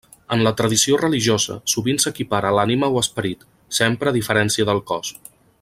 En la tradició religiosa, sovint s'equipara a l'ànima o esperit, sempre a diferència del cos.